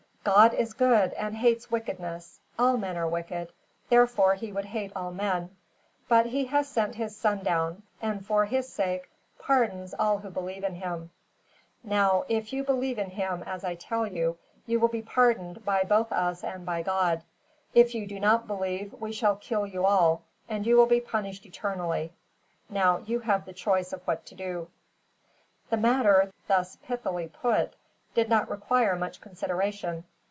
God is good, and hates wickedness. All men are wicked. Therefore He would hate all men; but He has sent His Son down, and for His sake pardons all who believe in Him. "Now, if you believe in Him, as I tell you, you will be pardoned both by us and by God. If you do not believe, we shall kill you all, and you will be punished eternally. Now you have the choice what to do." The matter, thus pithily put, did not require much consideration.